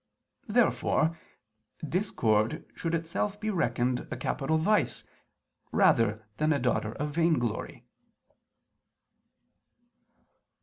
Therefore discord should itself be reckoned a capital vice, rather than a daughter of vainglory.